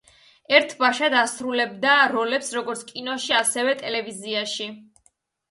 ერთბაშად ასრულებდა როლებს როგორც კინოში ასევე ტელევიზიაში.